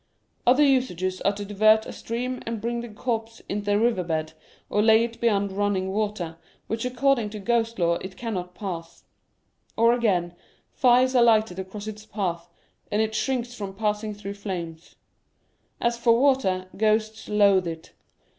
Other usages are to divert a stream and bring the corpse in the river bed, or lay it beyond running II Curiosities of Olden Times water, which according to ghost lore it cannot pass. Or again, fires are lighted across its path, and it shrinks from passing through flames. As for water, ghosts loathe it.